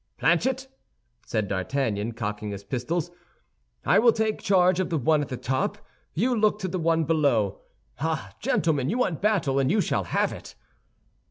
"Planchet," said D'Artagnan, cocking his pistols, "I will take charge of the one at the top; you look to the one below. Ah, gentlemen, you want battle; and you shall have it."